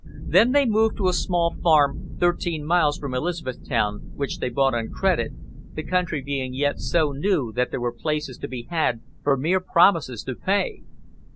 Then they moved to a small farm thirteen miles from Elizabethtown, which they bought on credit, the country being yet so new that there were places to be had for mere promises to pay.